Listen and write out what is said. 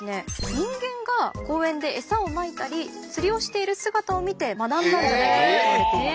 人間が公園でエサをまいたり釣りをしている姿を見て学んだんじゃないかといわれています。